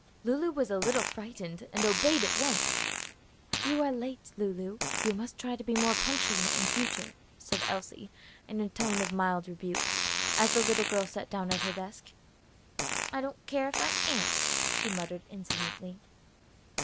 Lulu was a little frightened, and obeyed at once. "You are late, Lulu. You must try to be more punctual in future," Elsie said in a tone of mild rebuke, as the little girl sat down at her desk. "I don't care if I am," she muttered, insolently.